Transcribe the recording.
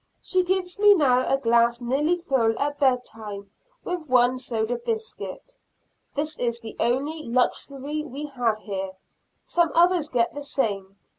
She gives me now a glass nearly full at bed time, with one soda biscuit. This is the only luxury we have here; some others get the same.